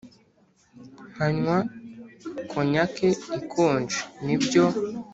nkanywa konyake ikonje nibyo